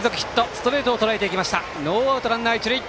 ストレートをとらえていきましたノーアウト、ランナー、一塁。